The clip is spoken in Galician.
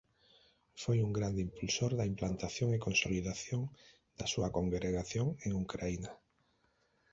Foi un grande impulsor da implantación e consolidación da súa congregación en Ucraína.